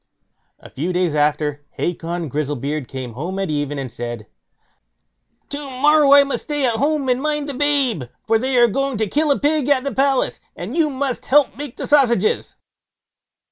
A few days after Hacon Grizzlebeard came home at even and said: "To morrow I must stay at home and mind the babe, for they are going to kill a pig at the palace, and you must help to make the sausages."